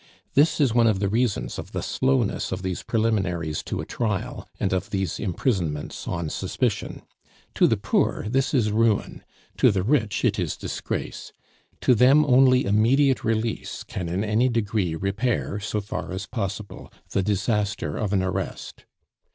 This is one of the reasons of the slowness of these preliminaries to a trial and of these imprisonments "on suspicion." To the poor this is ruin, to the rich it is disgrace; to them only immediate release can in any degree repair, so far as possible, the disaster of an arrest.